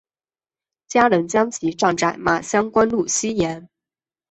家人将其葬在马乡官路西沿。